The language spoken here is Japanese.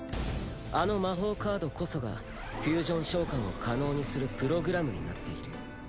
あの魔法カードこそがフュージョン召喚を可能にするプログラムになっている。